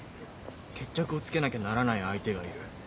決着をつけなきゃならない相手がいる。